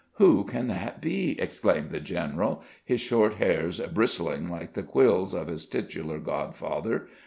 "Who can that be?" exclaimed the general, his short hairs bristling like the quills of his titular godfather.